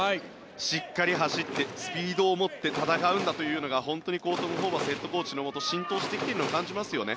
しっかり走ってスピードを持って戦うんだというのが本当にトム・ホーバスヘッドコーチのもと浸透してきているのを感じますよね。